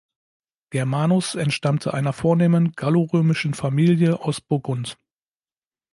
Germanus entstammte einer vornehmen gallorömischen Familie aus Burgund.